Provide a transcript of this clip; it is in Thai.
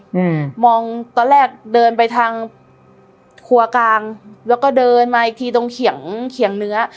อืมมองตอนแรกเดินไปทางครัวกลางแล้วก็เดินมาอีกทีตรงเขียงเขียงเนื้อ